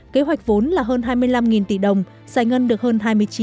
kế hoạch vốn là hơn hai mươi năm tỷ đồng giải ngân được hơn hai mươi chín